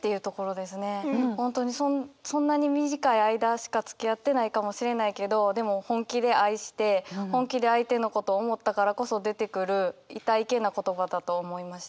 本当にそんなに短い間しかつきあってないかもしれないけどでも本気で愛して本気で相手のことを思ったからこそ出てくるいたいけな言葉だと思いました。